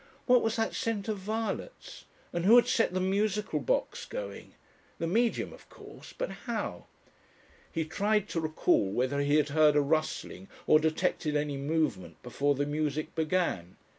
What was that scent of violets? And who had set the musical box going? The Medium, of course; but how? He tried to recall whether he had heard a rustling or detected any movement before the music began.